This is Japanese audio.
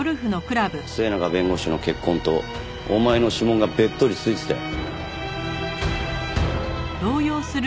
末永弁護士の血痕とお前の指紋がべっとり付いてたよ。